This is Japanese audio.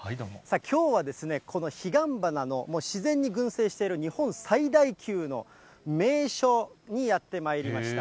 きょうはですね、この彼岸花の、もう自然に群生している日本最大級の、名所にやってまいりました。